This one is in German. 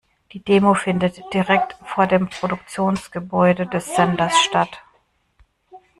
Die Demo findet direkt vor dem Produktionsgebäude des Senders statt.